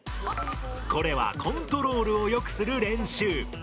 これはコントロールをよくする練習。